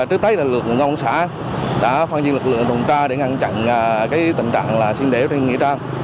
trước tấy lực lượng công an xã đã phân diện lực lượng đồng tra để ngăn chặn tình trạng sinh đế trên nghĩa trang